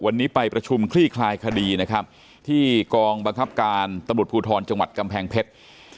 วันนี้ไปประชุมคลี่คลายคดีนะครับที่กองบังคับการตำรวจภูทรจังหวัดกำแพงเพชร